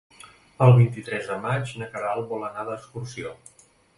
El vint-i-tres de maig na Queralt vol anar d'excursió.